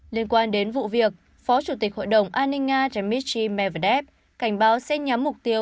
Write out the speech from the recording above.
liên quan đến vụ việc phó chủ tịch hội đồng an ninh nga dmitry medvedev cảnh báo sẽ nhắm mục tiêu